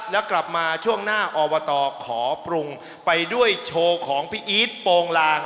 แล้วกลับมาช่วงหน้าอบตขอปรุงไปด้วยโชว์ของพี่อีทโปรงลาง